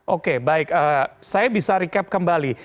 oke baik saya bisa recap kembali